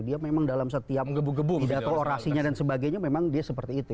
dia memang dalam setiap pidato orasinya dan sebagainya memang dia seperti itu